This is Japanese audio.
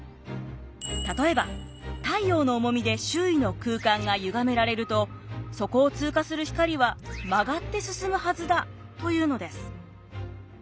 例えば太陽の重みで周囲の空間がゆがめられるとそこを通過する光は曲がって進むはずだというのです。